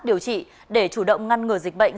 điều trị để chủ động ngăn ngừa dịch bệnh